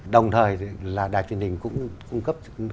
đồng thời là đài truyền hình cũng cung cấp